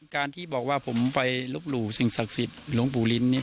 การที่บอกว่าผมไปลบหลู่สิ่งศักดิ์สิทธิ์หลวงปู่ลิ้น